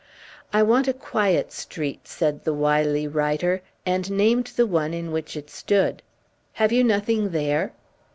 "I want a quiet street," said the wily writer, and named the one in which it stood. "Have you nothing there?"